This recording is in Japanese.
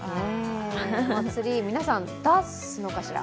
ツリー、皆さん出すのかしら。